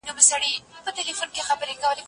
زه سفر کړی دی!!